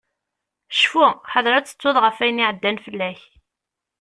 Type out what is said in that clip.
Cfu, ḥader ad tettuḍ ɣef wayen iɛeddan fell-ak.